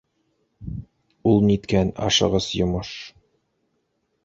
- Ул ниткән ашығыс йомош?